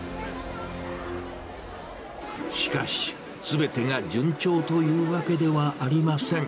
しかし、すべてが順調というわけではありません。